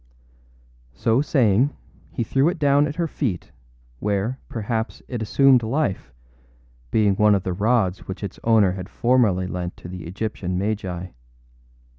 â So saying, he threw it down at her feet, where, perhaps, it assumed life, being one of the rods which its owner had formerly lent to the Egyptian magi.